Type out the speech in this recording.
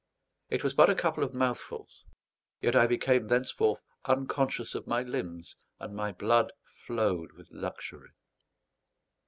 It was but a couple of mouthfuls; yet I became thenceforth unconscious of my limbs, and my blood flowed with luxury.